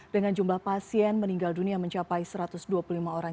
dengan jumlah pasien meninggal dunia mencapai satu ratus dua puluh lima orang